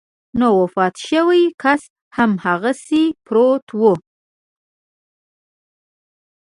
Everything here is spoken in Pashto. نو وفات شوی کس هماغسې پروت و.